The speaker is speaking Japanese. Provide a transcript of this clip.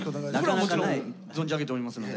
僕もちゃんと存じ上げておりますから。